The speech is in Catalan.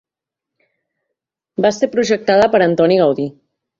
Va ser projectada per Antoni Gaudí.